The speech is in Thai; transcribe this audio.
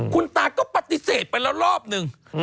คุณตาก็ปฏิเสธไปแล้วรอบนึง